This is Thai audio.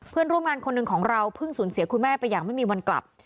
เพื่อนร่วมงานคนหนึ่งของเราเพิ่งสูญเสียคุณแม่ไปอย่างไม่มีวันกลับ